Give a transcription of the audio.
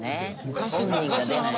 昔。